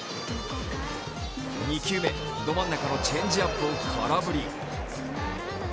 ２球目、ど真ん中のチェンジアップを空振り。